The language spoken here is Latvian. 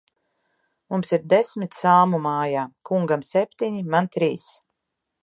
Mums ir desmit salmu mājā; kungam septiņi, man trīs.